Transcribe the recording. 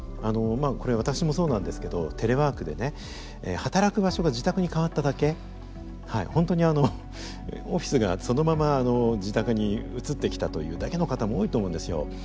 あのこれ私もそうなんですけどテレワークでね働く場所が自宅に変わっただけ本当にあのオフィスがそのまま自宅に移ってきたというだけの方も多いと思うんですよ。